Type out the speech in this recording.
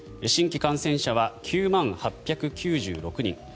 新規感染者は９万８９６人。